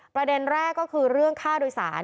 ประเด็นแรกก็คือเรื่องค่าโดยสาร